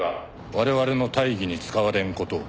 「我々の大義に使われんことを」